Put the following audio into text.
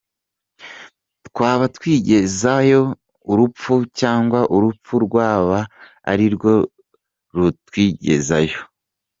Twabatwigizayo urupfu, cyangwa urupfu rwaba arirwo rutwigizayo?”